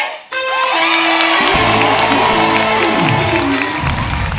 สู้ชีวิต